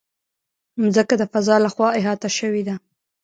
مځکه د فضا له خوا احاطه شوې ده.